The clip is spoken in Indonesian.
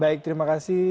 baik terima kasih